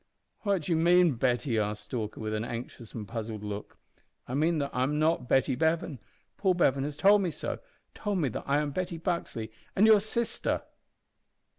"What do you mean, Betty?" asked Stalker, with an anxious and puzzled look. "I mean that I am not Betty Bevan. Paul Bevan has told me so told me that I am Betty Buxley, and your sister!"